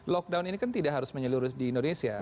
lockdown ini kan tidak harus menyeluruh di indonesia